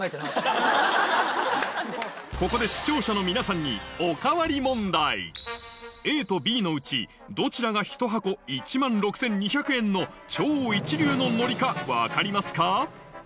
ここで視聴者の皆さんにＡとＢのうちどちらが１箱１万６２００円の超一流の海苔か分かりますか？